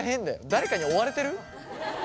誰かに追われてる？